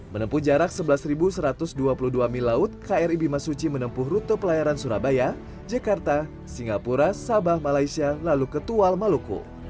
menempuh jarak sebelas satu ratus dua puluh dua mil laut kri bimasuci menempuh rute pelayaran surabaya jakarta singapura sabah malaysia lalu ketual maluku